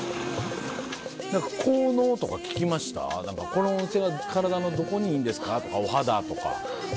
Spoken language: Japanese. この温泉は体のどこにいいんですか？とかお肌とか。